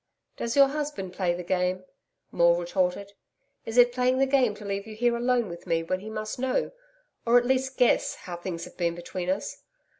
'Does your husband play the game?' Maule retorted. 'Is it playing the game to leave you here alone with me, when he must know or at least, guess how things have been between us?